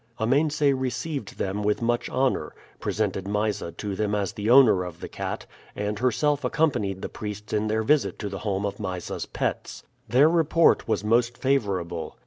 Amense received them with much honor, presented Mysa to them as the owner of the cat, and herself accompanied the priests in their visit to the home of Mysa's pets. Their report was most favorable.